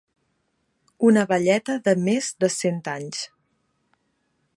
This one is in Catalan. Una velleta de més de cent anys.